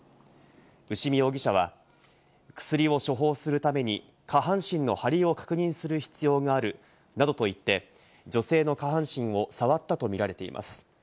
牛見容疑者は、薬を処方するために下半身の張りを確認する必要があるなどと言って、女性の下半身を触ったとみられています。